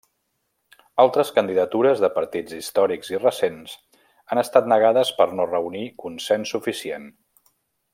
Altres candidatures de partits històrics i recents, han estat negades per no reunir consens suficient.